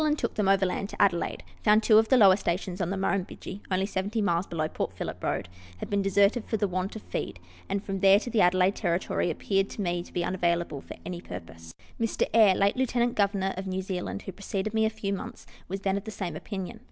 235 and took them overland to Adelaide ; found two of the lower stations on the Murrumbidgee (only 70 miles below Port Phillip road) had been deserted for the want of feed ; and from there to the Adelaide territory appeared to me to be unavailable for any purpose. Mr. Eyre, late Lieut. Governor of New Zealand, who preceded me a few months, was then of the same opinion.